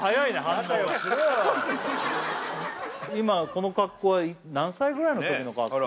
反応が今この格好は何歳ぐらいの時の格好？